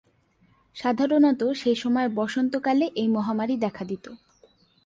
সাধারনত সেসময় বসন্তকালে এই মহামারী দেখা দিত।